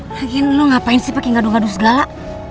lagian lu ngapain sih pake gaduh gaduh segala